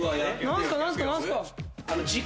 何すか？